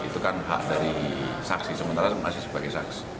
itu kan hak dari saksi sementara masih sebagai saksi